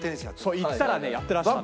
そう行ったらねやってらしたの。